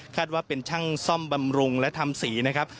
ว่าเป็นช่างซ่อมบำรุงและทำสีนะครับ